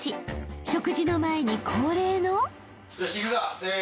［食事の前に恒例の］